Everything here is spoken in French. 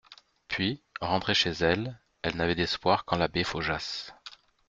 Puis, rentrée chez elle, elle n'avait d'espoir qu'en l'abbé Faujas.